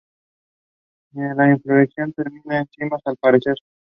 La inflorescencia terminal en cimas, al parecer, axilares o extra-axilares, pedunculadas.